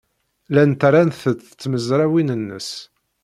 Llant rant-t tmezrawin-nnes.